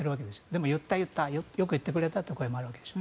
でも、言った、言ったとよく言ってくれたという声もあるわけです。